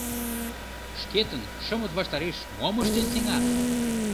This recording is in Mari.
Шкетын шымыт ваштареш мом ыштен сеҥа?